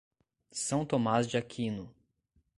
São Tomás de Aquino